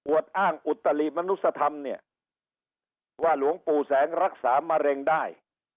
อ้างอุตลิมนุษยธรรมเนี่ยว่าหลวงปู่แสงรักษามะเร็งได้